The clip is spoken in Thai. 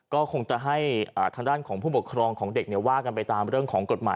ก็คงจะให้ทางด้านของผู้ปกครองของเด็กว่ากันไปตามเรื่องของกฎหมาย